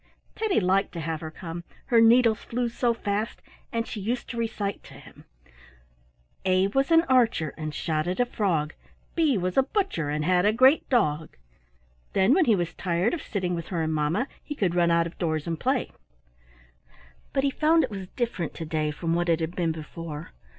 Teddy liked to have her come, her needles flew so fast, and she used to recite to him, — "A was an archer, and shot at a frog; B was a butcher, and had a great dog." Then when he was tired of sitting with her and mamma, he could run out of doors and play. But he found it was different to day from what it had been before.